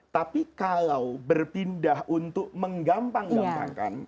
tapi kalau berpindah untuk menggampang gampangkan